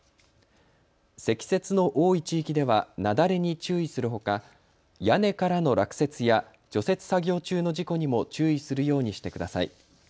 積雪の多い地域では雪崩に注意するほか、屋根からの落雪や除雪作業中の事故にも注意するようにしてください。